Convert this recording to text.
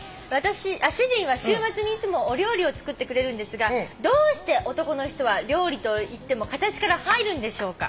「主人は週末にいつもお料理を作ってくれるんですがどうして男の人は料理といっても形から入るんでしょうか。